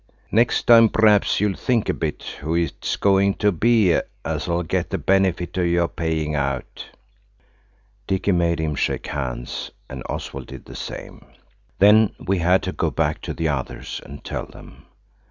Next time p'r'aps you'll think a bit who it's going to be as'll get the benefit of your payings out." Dicky made him shake hands, and Oswald did the same. Then we had to go back to the others and tell them.